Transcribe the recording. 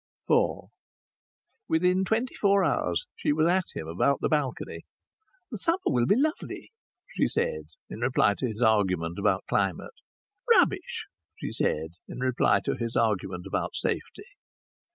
IV Within twenty four hours she was at him about the balcony. "The summer will be lovely," she said, in reply to his argument about climate. "Rubbish," she said, in reply to his argument about safety.